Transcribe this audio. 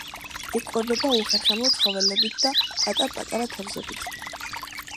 იკვებება უხერხემლო ცხოველებითა და პატარ-პატარა თევზებით.